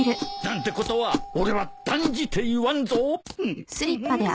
ことは俺は断じて言わんぞ！